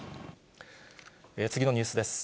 次のニュースです。